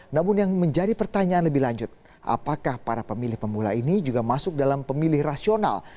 namun yang menjadi pertanyaan lebih lanjut apakah para pemilih pemula ini juga masuk dalam pemilih rasional